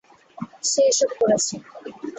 সে এসব করেছে!